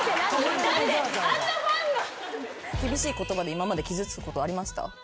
厳しい言葉で今まで傷つくことありました？